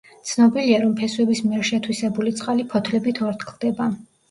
ცნობილია, რომ ფესვების მიერ შეთვისებული წყალი ფოთლებით ორთქლდება.